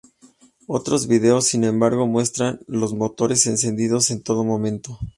Otros videos, sin embargo, muestran los motores encendidos en todo momento.